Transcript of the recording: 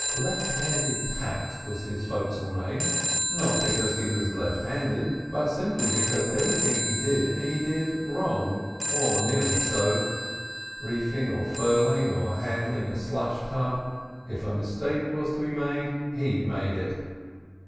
"Left handed Pat," was his fo'cs'le name; not because he was left handed, but simply because everything he did he did wrong—or nearly so. Reefing or furling, or handling a slush tub—if a mistake was to be made, he made it.